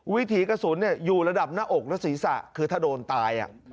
วิถีกระสุนอยู่ระดับหน้าอกและศีรษะคือถ้าโดนตาย